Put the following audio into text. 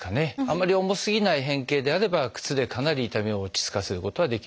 あんまり重すぎない変形であれば靴でかなり痛みを落ち着かせることができるといわれています。